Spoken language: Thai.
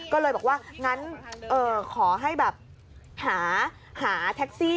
ก็เลยบอกว่างั้นขอให้แบบหาแท็กซี่